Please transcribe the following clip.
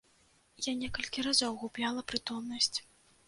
Я некалькі разоў губляла прытомнасць.